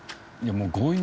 もう。